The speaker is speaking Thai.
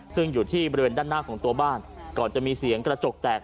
ซึ่งอยู่ที่บริเวณด้านหน้าของตัวบ้านก่อนจะมีเสียงกระจกแตก